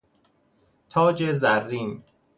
تاج زرین